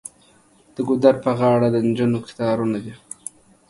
د ګودر په غاړه د نجونو کتارونه.